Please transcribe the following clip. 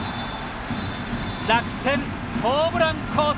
楽天、ホームラン攻勢